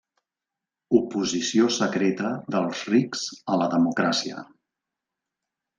Oposició secreta dels rics a la democràcia.